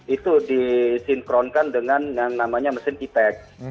itu disinkronkan dengan yang namanya mesin e tech